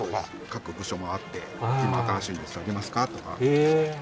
各部署もあって今、新しいニュースありますか？とか。